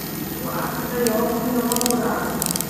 U, aslida, yogʻni yomon koʻrardi